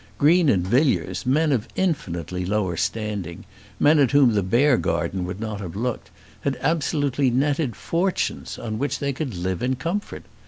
Green and Villiers, men of infinitely lower standing, men at whom the Beargarden would not have looked, had absolutely netted fortunes on which they could live in comfort.